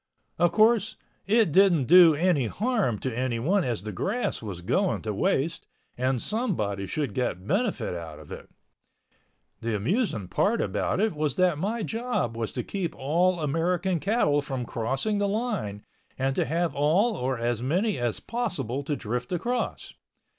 Of course, it didn't do any harm to anyone as the grass was going to waste and somebody should get benefit out of it. The amusing part about it was that my job was to keep all American cattle from crossing the line and to have all or as many as possible to drift across.